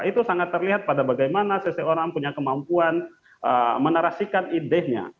itu sangat terlihat pada bagaimana seseorang punya kemampuan menarasikan idenya